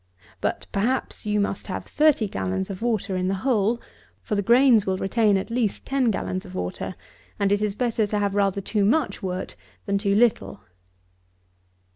But, perhaps, you must have thirty gallons of water in the whole; for the grains will retain at least ten gallons of water; and it is better to have rather too much wort than too little.